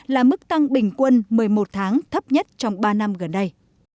là mức tăng bình quân một mươi một tháng thấp nhất trong ba năm gần đây